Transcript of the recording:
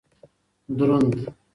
دروند